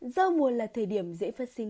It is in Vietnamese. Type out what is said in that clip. do mua là thời điểm dễ phát triển